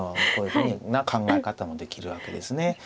こういうふうな考え方もできるわけですね。